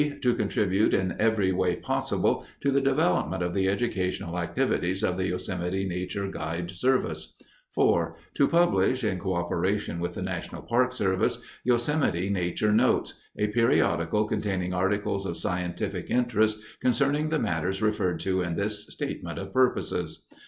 To contribute in every way possible to the development of the educational activities of the Yosemite Nature Guide Service. 4. To publish (in coöperation with the National Park Service) Yosemite Nature Notes, a periodical containing articles of scientific interest concerning the matters referred to in this statement of purposes.